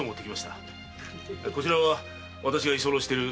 こちらは私が居候している。